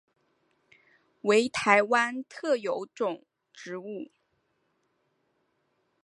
为台湾特有种植物。